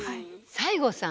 西郷さん。